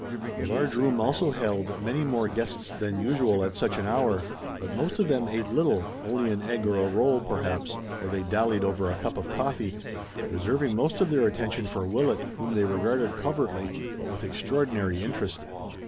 The large room also held many more guests than usual at such an hour, but most of them ate little, only an egg or a roll, perhaps, or they dallied over a cup of coffee, reserving most of their attention for Willet, whom they regarded covertly, but with extraordinary interest.